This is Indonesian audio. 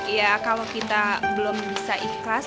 ya kalau kita belum bisa ikhlas